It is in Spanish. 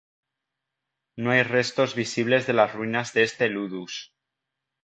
No hay restos visibles de las ruinas de este ludus.